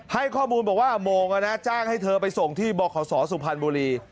ให้ข้อมูลบอกว่าโมงจ้างให้เธอไปส่งที่บขสุพรรณบุรี